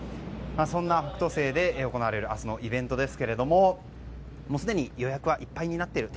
そんな「北斗星」で行われる明日のイベントですがすでに予約はいっぱいになっている。